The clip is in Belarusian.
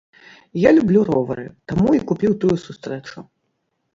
Я люблю ровары, таму і купіў тую сустрэчу.